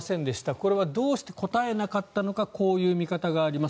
これはどうして答えなかったのかこういう見方があります。